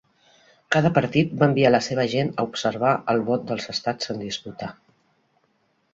Cada partit va enviar la seva gent a observar el vot dels estats en disputa.